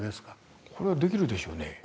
これはできるでしょうね。